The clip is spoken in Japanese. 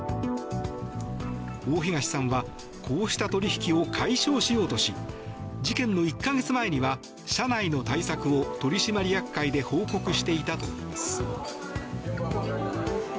大東さんはこうした取引を解消しようとし事件の１か月前には社内の対策を取締役会で報告していたといいます。